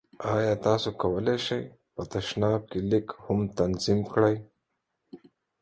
ایا تاسو کولی شئ په تشناب کې لیک هم تنظیم کړئ؟